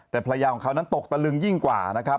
แต่ภรรยาของเขานั้นตกตะลึงยิ่งกว่านะครับ